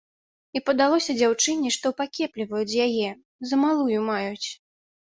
І падалося дзяўчыне, што пакепліваюць з яе, за малую маюць.